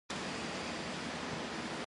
Notable additions include the tag system.